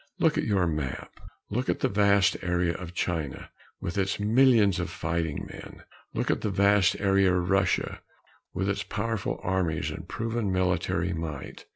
Look at your map. Look at the vast area of China, with its millions of fighting men. Look at the vast area of Russia, with its powerful armies and proven military might.